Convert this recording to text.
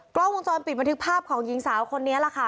กล้องวงจรปิดบันทึกภาพของหญิงสาวคนนี้แหละค่ะ